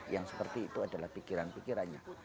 yang seperti itu adalah pikiran pikirannya